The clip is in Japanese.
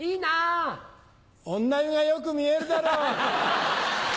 女湯がよく見えるだろう。